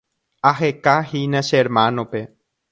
Ahekahína che hermanope.